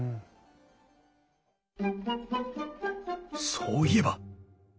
そういえば！